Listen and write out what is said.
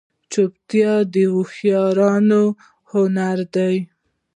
چوپتیا، د هوښیارانو هنر دی.